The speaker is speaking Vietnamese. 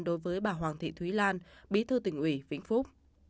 đối với bà hoàng thị thúy lan bí thư tỉnh ủy vĩnh phúc